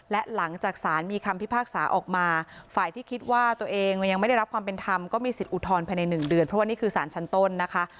และหลังจากสารมีคำพิพากษาออกมาฝ่ายที่คิดว่าตัวเองยังไม่ได้รับความเป็นธรรมก็มีสิทธิอุทธรณ์ภายใน๑เดือนเพราะว่านี่คือสารชั้นต้นนะคะ